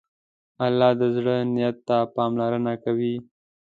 الله د زړه نیت ته پاملرنه کوي.